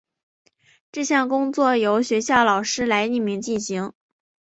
这项工作由学校老师来匿名进行。